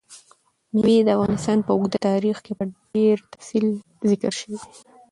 مېوې د افغانستان په اوږده تاریخ کې په ډېر تفصیل ذکر شوي.